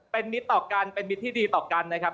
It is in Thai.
เป็นมิตรต่อกันเป็นมิตรที่ดีต่อกันนะครับ